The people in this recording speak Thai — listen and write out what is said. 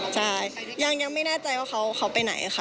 ใช่ยังไม่แน่ใจว่าเขาไปไหนค่ะ